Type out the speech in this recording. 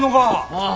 ああ。